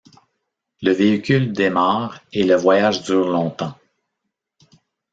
Le véhicule démarre, et le voyage dure longtemps.